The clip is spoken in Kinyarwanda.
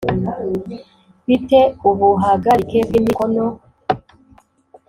bi te ubuhagarike bw imikono